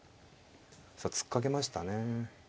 さあ突っかけましたね。